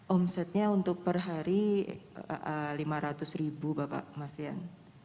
omsetnya untuk per hari rp lima ratus bapak masih yang